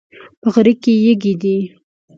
په غره کې یږي دي